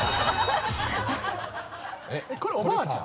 これおばあちゃん？